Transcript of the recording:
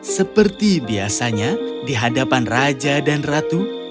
seperti biasanya di hadapan raja dan ratu